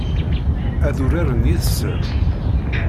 Ad uraren yid-sen?